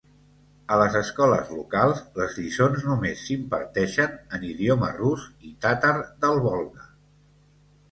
A les escoles locals, les lliçons només s'imparteixen en idioma rus i tàtar del Volga.